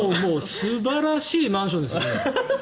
素晴らしいマンションです。